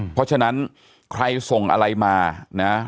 เพราะฉะนั้นใครส่งอะไรมานะ